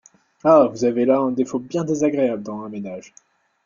Ah ! vous avez là un défaut bien désagréable dans un ménage !